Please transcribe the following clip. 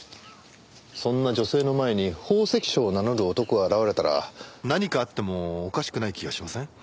そんな女性の前に宝石商を名乗る男が現れたら何かあってもおかしくない気がしません？